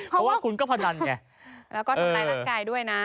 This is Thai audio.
เพราะว่าคุณก็พนันไงแล้วก็ทำร้ายร่างกายด้วยนะ